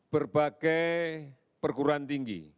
berbagai perguruan tinggi